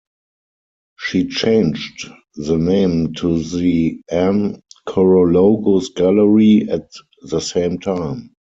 She changed the name to the Ann Korologos Gallery at the same time.